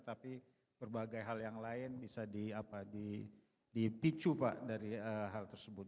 tapi berbagai hal yang lain bisa dipicu pak dari hal tersebut